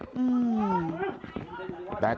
แต่ท่านพ่ออารวาสโมโหแม่ไปซื้อเหล้าไม่ได้นะครับ